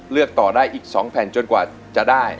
เลือกต่อได้อีก๒แผ่นจนกว่าจะได้